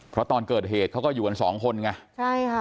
เพราะเกิดเหตุเขาก็อยู่กันสองคนน์ไง